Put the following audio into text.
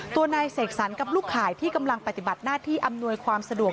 ตัวนายเสกสรรกับลูกข่ายที่กำลังปฏิบัติหน้าที่อำนวยความสะดวก